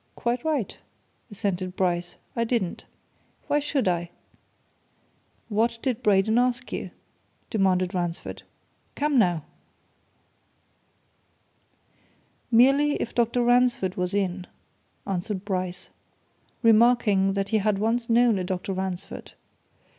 "Quite right," assented Bryce. "I didn't. Why should I?" "What did Braden ask you?" demanded Ransford. "Come, now?" "Merely if Dr. Ransford was in," answered Bryce, "remarking that he had once known a Dr. Ransford.